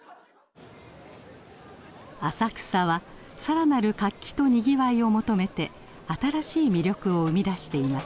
浅草は更なる活気とにぎわいを求めて新しい魅力を生み出しています。